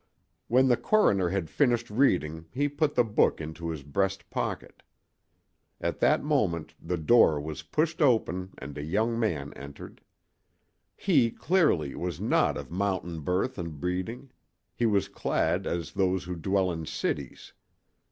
When the coroner had finished reading he put the book into his breast pocket. At that moment the door was pushed open and a young man entered. He, clearly, was not of mountain birth and breeding: he was clad as those who dwell in cities.